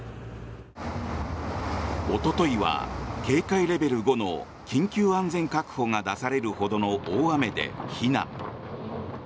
おとといは警戒レベル５の緊急安全確保が出されるほどの大雨で、避難。